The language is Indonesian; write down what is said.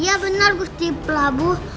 iya benar gusti pelabuh